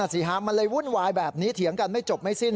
สิฮะมันเลยวุ่นวายแบบนี้เถียงกันไม่จบไม่สิ้น